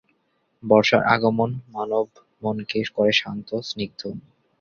বর্ষার আগমণ মানবমনকে করে শান্ত, স্নিগ্ধ।